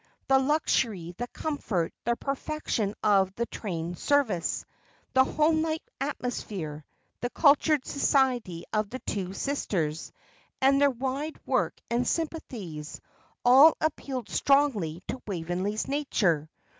The luxury, the comfort, the perfection of the trained service, the homelike atmosphere, the cultured society of the two sisters and their wide work and sympathies, all appealed strongly to Waveney's nature.